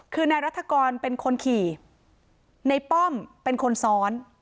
คือนายรัฐกรเป็นคนขี่ในป้อมเป็นคนซ้อน